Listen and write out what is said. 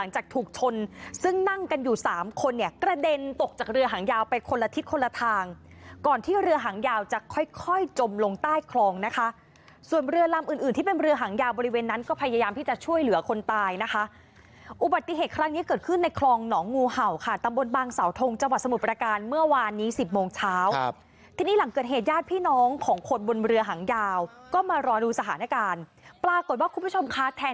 ชนซึ่งนั่งกันอยู่สามคนเนี้ยกระเด็นตกจากเรือหางยาวไปคนละทิศคนละทางก่อนที่เรือหางยาวจะค่อยค่อยจมลงใต้คลองนะคะส่วนเรือลำอื่นอื่นที่เป็นเรือหางยาวบริเวณนั้นก็พยายามที่จะช่วยเหลือคนตายนะคะอุบัติเหตุครั้งนี้เกิดขึ้นในคลองหนองงูเห่าค่ะตามบนบางเสาทงจังหวัดสมุทรปราการเมื่อวานนี้สิบโมงเช้